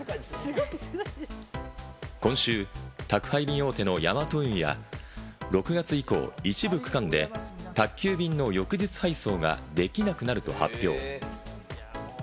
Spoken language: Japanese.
今週、宅配便大手のヤマト運輸が６月以降、一部区間で宅急便の翌日配送ができなくなると発表。